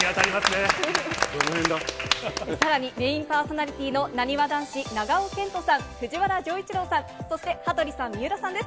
さらにメインパーソナリティーのなにわ男子・長尾謙杜さん、藤原丈一郎さん、そして羽鳥さん、水卜さんです。